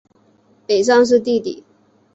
北尚是弟弟。